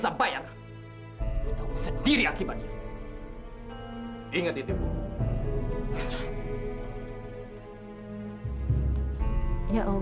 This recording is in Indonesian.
ajarin aku ngepel